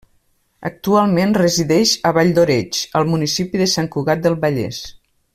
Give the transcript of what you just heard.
Actualment resideix a Valldoreix, al municipi de Sant Cugat del Vallès.